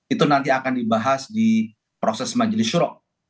itu nanti akan dibahas di proses majelis syurok